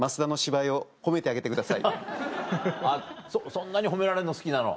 そんなに褒められるの好きなの？